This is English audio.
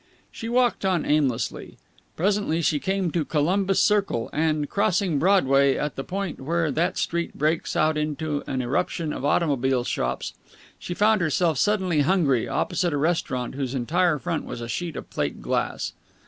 She walked on aimlessly. Presently she came to Columbus Circle, and, crossing Broadway at the point where that street breaks out into an eruption of automobile shops, found herself, suddenly hungry, opposite a restaurant whose entire front was a sheet of plate glass.